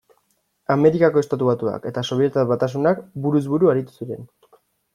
Amerikako Estatu Batuak eta Sobietar Batasunak buruz buru aritu ziren.